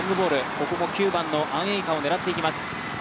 ここも９番のアン・エイカを狙っていきます。